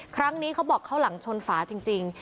ครั้งนี้เขาบอกเขาหลังชนฝาจริง